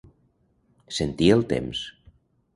Sentir el temps.